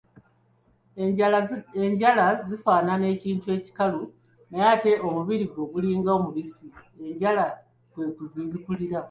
Enjala zifaanana ekintu ekikalu, naye ate omubiri gwo gulinga omubisi enjala kwe zikulira.